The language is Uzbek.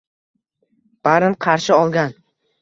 Barin qarshi olgan –